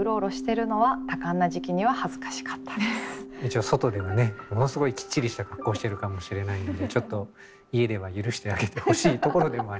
一応外ではねものすごいきっちりした格好をしているかもしれないのでちょっと家では許してあげてほしいところでもありますけれど。